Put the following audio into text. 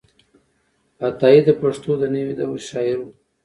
عطايي د پښتو د نوې دور شاعر و.